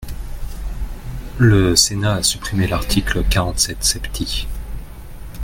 Le Sénat a supprimé l’article quarante-sept septies.